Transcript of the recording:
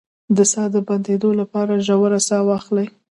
د ساه د بندیدو لپاره ژوره ساه واخلئ